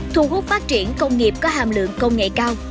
thu hút phát triển công nghiệp có hàm lượng công nghệ cao